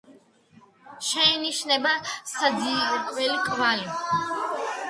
შეინიშნება საძირკვლის კვალი.